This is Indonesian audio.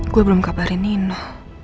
gue belum kabarin nino